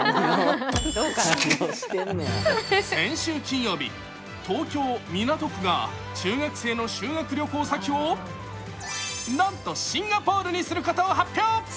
先週金曜日、東京・港区が中学生の修学旅行先をなんとシンガポールにすることを発表。